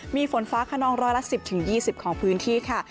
มีฝนฟ้าขนองร้อยละสิบถึงยี่สิบของพื้นที่ค่ะ